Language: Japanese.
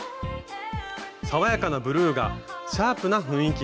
爽やかなブルーがシャープな雰囲気に。